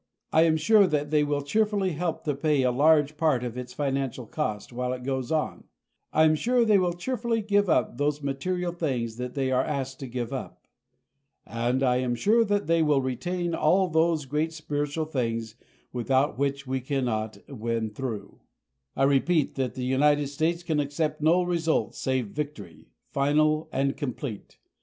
I am sure that they will cheerfully help to pay a large part of its financial cost while it goes on. I am sure they will cheerfully give up those material things that they are asked to give up. And I am sure that they will retain all those great spiritual things without which we cannot win through. I repeat that the United States can accept no result save victory, final and complete.